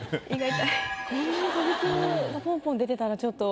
こんな飛び級がポンポン出てたらちょっと。